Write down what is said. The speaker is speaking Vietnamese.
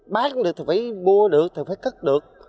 bán được thì phải mua được thì phải cất được